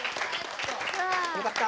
よかった。